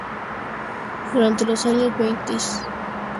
Durante los años veinte se manifestó contra la "peste fascista".